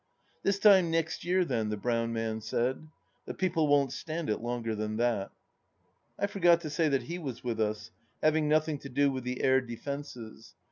" This time next year then," the brown man said. " The People won't stand it longer than that." I forgot to say that he was with us, having nothing to do with the air defences.